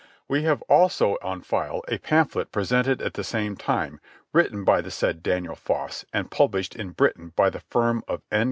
"We have also on file a pamphlet presented at the same time, written by the said Daniel Foss, and published in Boston by the firm of N.